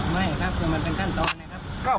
ไม่ครับคือมันเป็นขั้นตอนนะครับ